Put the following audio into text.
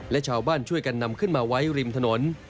และชาวบ้านช่วยกันนำขึ้นมาไว้ริมถนน